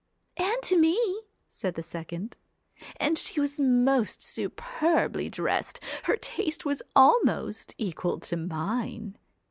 'And to me,' said the second. 'And she was most superbly dressed her taste was almost equal to mine.'